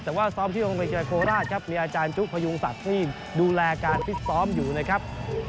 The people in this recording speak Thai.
แต่ว่าซ้อมที่โรงพยาบาลโคราชครับมีอาจารย์จุพยุงศักดิ์ที่ดูแลการฟิตซ้อมอยู่นะครับ